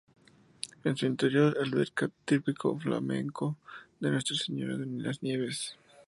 En su interior, alberca el "Tríptico Flamenco de Nuestra Señora de las Nieves".